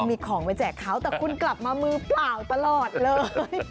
มีของไปแจกเขาแต่คุณกลับมามือเปล่าตลอดเลย